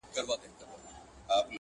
احتجاج ته مي راغوښتيیاره مړې ډېوې په جبر